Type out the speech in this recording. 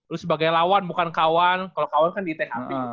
lu sebagai lawan bukan kawan kalau kawan kan di tkp